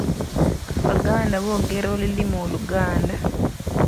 Abaganda boogera olulimi Oluganda.